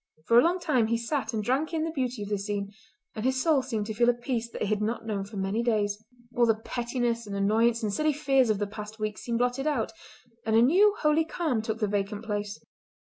For a long time he sat and drank in the beauty of the scene, and his soul seemed to feel a peace that it had not known for many days. All the pettiness and annoyance and silly fears of the past weeks seemed blotted out, and a new holy calm took the vacant place.